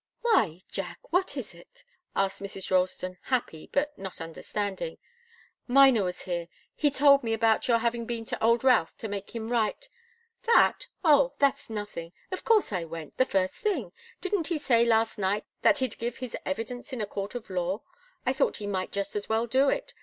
"Why Jack? What is it?" asked Mrs. Ralston, happy, but not understanding. "Miner was here he told me about your having been to old Routh to make him write " "That? Oh that's nothing. Of course I went the first thing. Didn't he say last night that he'd give his evidence in a court of law? I thought he might just as well do it.